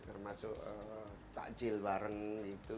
termasuk takjil bareng itu